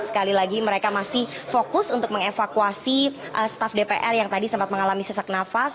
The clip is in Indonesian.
sekali lagi mereka masih fokus untuk mengevakuasi staf dpr yang tadi sempat mengalami sesak nafas